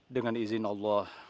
dengan izin allah